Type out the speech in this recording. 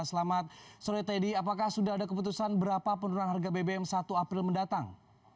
selamat sore teddy apakah sudah ada keputusan berapa penurunan harga bbm satu april mendatang